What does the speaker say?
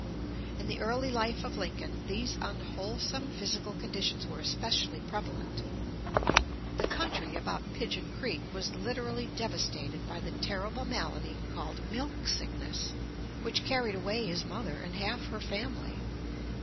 In the early life of Lincoln these unwholesome physical conditions were especially prevalent. The country about Pigeon Creek was literally devastated by the terrible malady called "milk sickness," which carried away his mother and half her family.